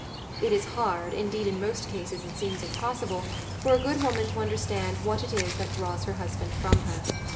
It is hard, indeed in many cases it seems impos sible, for a good woman to understand what it is that draws her husband from her.